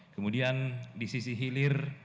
kemudian di sisi hilir